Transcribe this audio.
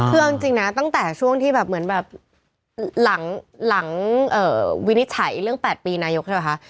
คือเอาจริงนะตั้งแต่ช่วงที่แบบเหมือนแบบหลังวินิจฉัยเรื่อง๘ปีนายกใช่ไหมคะ